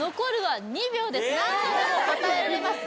何度でも答えられます